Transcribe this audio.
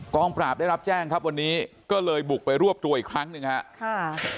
งปราบได้รับแจ้งครับวันนี้ก็เลยบุกไปรวบตัวอีกครั้งหนึ่งฮะค่ะ